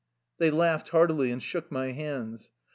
'' They laughed heartily, and shook my hands.